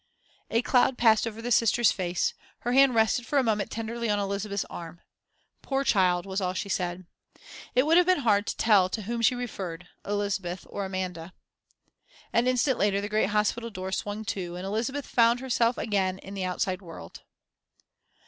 A cloud passed over the Sister's face; her hand rested for a moment tenderly on Elizabeth's arm. "Poor child!" was all she said. It would have been hard to tell to whom she referred Elizabeth or Amanda. An instant later the great hospital door swung to, and Elizabeth found herself again in the outside world.